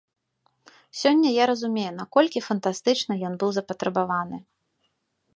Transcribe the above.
Сёння я разумею, наколькі фантастычна ён быў запатрабаваны.